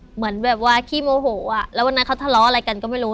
เหมือนแบบว่าขี้โมโหอ่ะแล้ววันนั้นเขาทะเลาะอะไรกันก็ไม่รู้